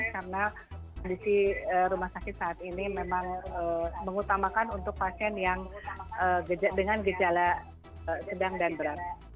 karena kondisi rumah sakit saat ini memang mengutamakan untuk pasien yang dengan gejala sedang dan berat